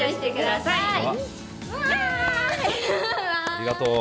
ありがとう。